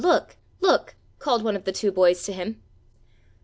look!" called one of the two boys to him.